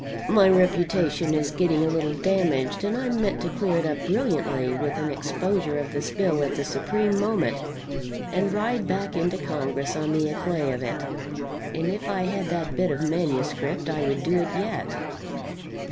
"My reputation is getting a little damaged, and I meant to clear it up brilliantly with an exposure of this bill at the supreme moment, and ride back into Congress on the eclat of it; and if I had that bit of manuscript, I would do it yet.